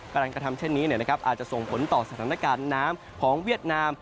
การกระทำเช่นนี้อาจจะส่งผลต่อสถานการณ์น้ำของเวียดนาม